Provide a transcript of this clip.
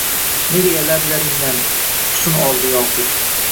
Nega lablaringdan husn oldi yoqut